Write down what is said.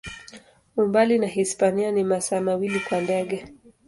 Umbali na Hispania ni masaa mawili kwa ndege.